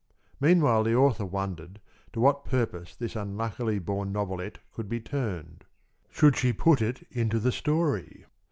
Meanwhile the author wondered to what purpose this unluckily born novelette could be turned. Should she put it into the story?